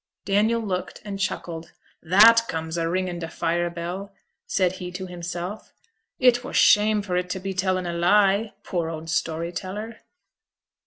Daniel looked and chuckled. 'That comes o' ringin' t' fire bell,' said he to himself; 'it were shame for it to be tellin' a lie, poor oud story teller.'